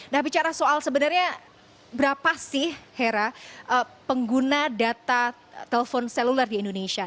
nah bicara soal sebenarnya berapa sih hera pengguna data telpon seluler di indonesia